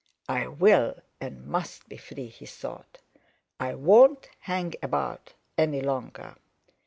"I will and must be free," he thought. "I won't hang about any longer.